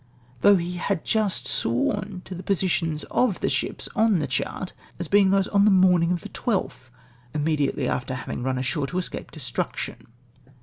though he had just sworn to the positions of the ships on the chart as being those on the morning of the 12th, immediately after having run ashore to escape destruction.